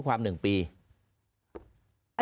หลายครั้งหลายครั้ง